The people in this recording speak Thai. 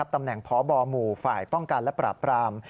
ตำแหน่งพบหมู่ฝ่ายป้องกันและปราบปราม